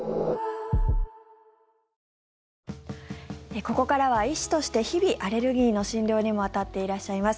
ここからは、医師として日々、アレルギーの診療にも当たっていらっしゃいます